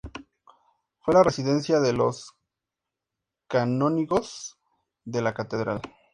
Fue la residencia de los canónigos de la catedral.